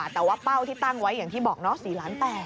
แต่ว่าเป้าที่ตั้งไว้อย่างที่บอก๔๘๐๐